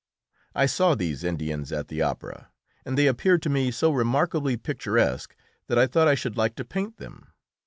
I saw these Indians at the opera and they appeared to me so remarkably picturesque that I thought I should like to paint them.